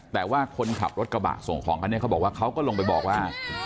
แต่ว่าคนขับรถกระบะส่งของคันนี้เขาบอกว่าเขาก็ลงไปบอกว่า